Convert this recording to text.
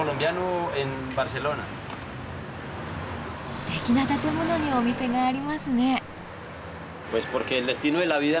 すてきな建物にお店がありますね。